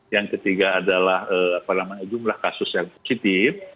yang ketiga adalah jumlah kasus yang positif